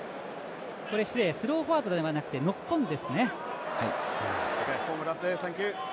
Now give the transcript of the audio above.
スローフォワードではなくてノックオンですね。